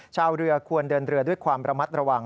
ชาวเรือควรเดินเรือด้วยความระมัดระวัง